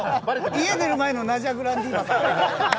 家出る前のナジャ・グランディーバさん